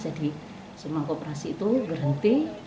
jadi semua kooperasi itu berhenti